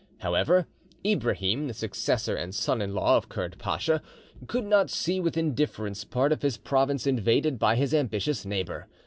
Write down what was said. However, Ibrahim, the successor and son in law of Kurd Pacha, could not see with indifference part of his province invaded by his ambitious neighbour.